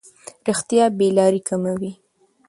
رښتیا بې لارۍ کموي.